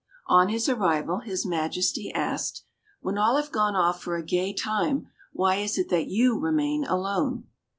On his arrival his Majesty asked, "When all have gone off for a gay time, why is it that you remain alone?"